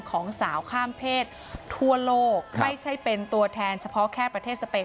ของสาวข้ามเพศทั่วโลกไม่ใช่เป็นตัวแทนเฉพาะแค่ประเทศสเปน